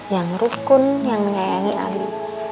yang rukun yang menyayangi abi